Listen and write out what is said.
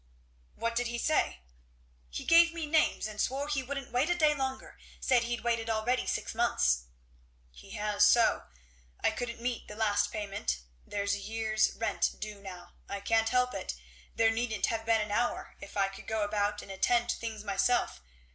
"What did he say?" "He gave me names, and swore he wouldn't wait a day longer said he'd waited already six months." "He has so. I couldn't meet the last payment. There's a year's rent due now. I can't help it. There needn't have been an hour, if I could go about and attend to things myself.